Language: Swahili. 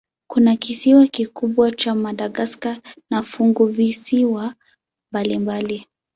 Kuna kisiwa kikubwa cha Madagaska na funguvisiwa mbalimbali.